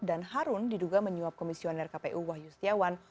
dan harun diduga menyuap komisioner kpu wahyu setiawan